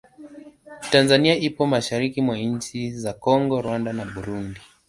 Tanzania ipo mashariki mwa nchi za Kongo, Rwanda na Burundi.